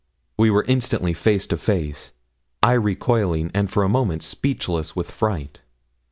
We were instantly face to face I recoiling, and for a moment speechless with fright.